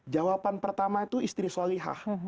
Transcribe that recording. jawaban pertama itu istri solihah